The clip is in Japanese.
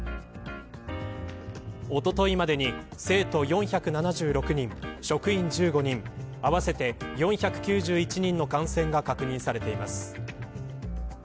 おとといまでに生徒４７６人職員１５人合わせて４９１人の感染が確認されています。